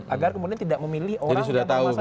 agar kemudian tidak memilih orang yang sama saya